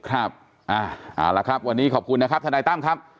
ครับเอาละครับวันนี้ขอบคุณนะครับทนายตั้มครับ